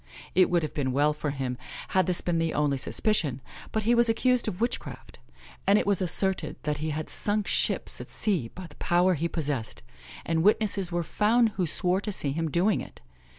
It would have been well for him had this been the only suspicion; but he was accused of witchcraft; and it was asserted that he had sunk ships at sea by the power he possessed, and witnesses were found who swore to seeing him do it.